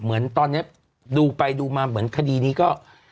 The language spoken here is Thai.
เหมือนตอนนี้ดูไปดูมาเหมือนคดีนี้ก็